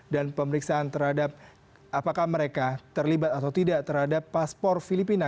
dan pemeriksaan terhadap apakah mereka terlibat atau tidak terhadap paspor filipina